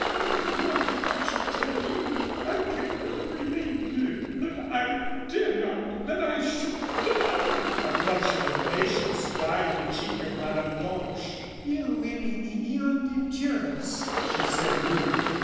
"And what if I should tell you that I cannot remain here that I dare not that I should die!" A flush of impatience dyed the cheek of Mme. Blanche. "You weary me beyond endurance," she said, rudely.